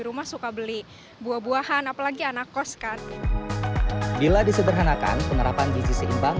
rumah suka beli buah buahan apalagi anak kos kan bila disederhanakan penerapan gizi seimbang